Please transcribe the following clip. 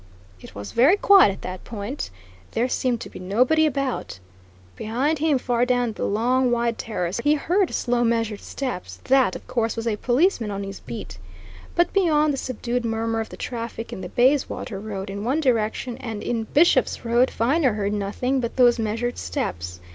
It was very quiet at that point. There seemed to be nobody about. Behind him, far down the long, wide terrace, he heard slow, measured steps that, of course, was a policeman on his beat. But beyond the subdued murmur of the traffic in the Bayswater Road in one direction and in Bishop's Road, Viner heard nothing but those measured steps.